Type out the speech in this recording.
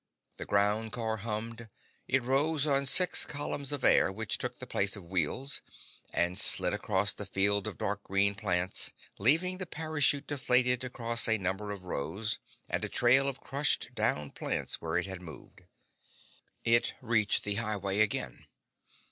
The ground car hummed. It rose on the six columns of air which took the place of wheels and slid across the field of dark green plants, leaving the parachute deflated across a number of rows, and a trail of crushed down plants where it had moved. It reached the highway again.